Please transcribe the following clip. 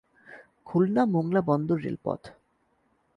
খুলনা-মোংলা বন্দর রেলপথ